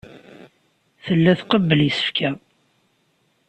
Tella tqebbel isefka.